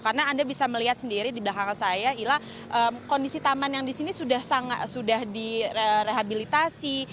karena anda bisa melihat sendiri di belakang saya ialah kondisi taman yang disini sudah direhabilitasi